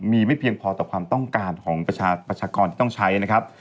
มีไม่เพียงพอต่อความต้องการของประชากรที่ต้องใช้นะครับ